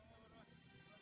terima kasih pak haji